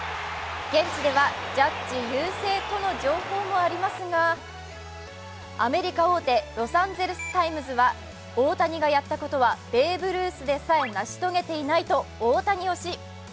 現地ではジャッジ優勢との情報もありますがアメリカ大手、「ロサンゼルス・タイムズ」は大谷がやったことはベーブ・ルースでさえ成し遂げていないと、大谷推し。